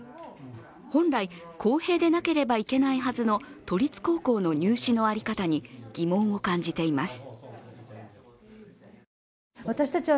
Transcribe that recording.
本来、公平でなければいけないはずの都立高校の入試の在り方に疑問を感じています。